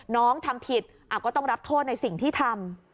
น้องทำผิดก็ต้องรับโทษในสิ่งที่ทำ